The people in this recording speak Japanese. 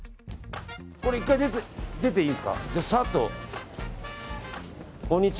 １回、出ていいんですか。